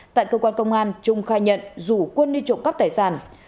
tại cơ quan công an trung khai nhận rủ quân đi trộm cắp tài sản